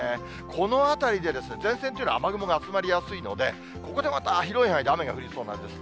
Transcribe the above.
この辺りで、前線というのは雨雲が集まりやすいので、ここでまた、広い範囲で雨が降りそうなんです。